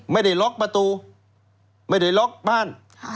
ไม่ได้ล็อกประตูไม่ได้ล็อกบ้าน